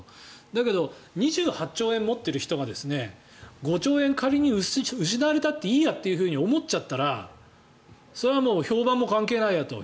だけど、２８兆円持っている人が５兆円仮に失われてもいいやって思っちゃったらそれは、評判も関係ないやと。